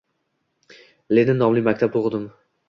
Lenin nomli maktabda o‘qidim